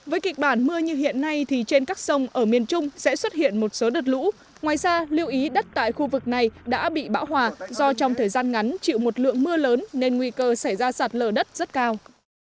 với kịch bản mưa như hiện nay thì trên các sông ở miền trung sẽ xuất hiện một số đợt lũ ngoài ra lưu ý đất tại khu vực này đã bị bão hòa do trong thời gian ngắn chịu một lượng mưa lớn nên nguy cơ xảy ra sạt lở đất rất cao